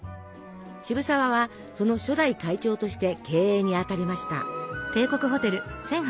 渋沢はその初代会長として経営にあたりました。